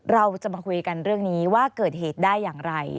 เราจะมาคุยกันเรื่องนี้ว่าเกิดเหตุได้อย่างไร